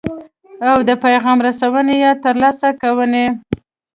او د پیغام رسونې یا ترلاسه کوونې.